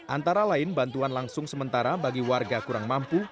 antara lain bantuan langsung sementara bagi warga kurang mampu